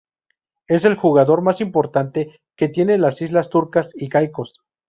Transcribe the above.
Es el jugador más importante que tiene las Islas Turcas y Caicos.